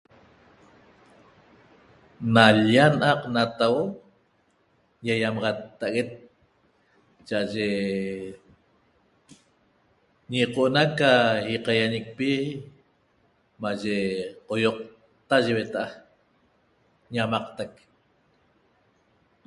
Na lyia naqtahuo ñeñiamaqtaxaguet cha aye ñecoñaca na ioquiaxaneqpi maye qaiotta ye hueteña Ñamaqtec